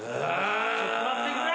・ちょっと待ってくれ。